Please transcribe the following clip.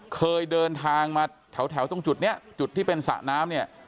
เคยเดินทางมาแถวตรงจุดนี้จุดที่เป็นสระน้ำเนี่ย